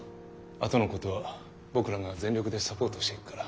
あとのことは僕らが全力でサポートしていくから。